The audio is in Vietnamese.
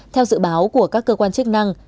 theo dự báo của các cơ quan chức năng